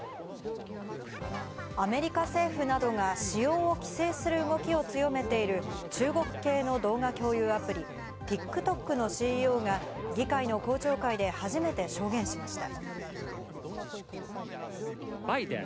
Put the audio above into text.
アメリカ政府などが使用を規制する動きを強めている中国系の動画共有アプリ・ＴｉｋＴｏｋのＣＥＯが議会の公聴会で初めて証言しました。